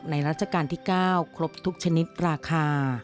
รัชกาลที่๙ครบทุกชนิดราคา